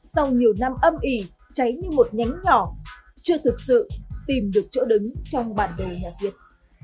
sau nhiều năm âm ỉ cháy như một nhánh nhỏ chưa thực sự tìm được chỗ đứng trong bản đồ nhà việt